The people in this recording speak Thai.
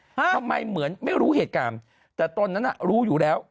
ทำไมเหมือนไม่รู้เหตุการณ์แต่ตนนั้นน่ะรู้อยู่แล้ว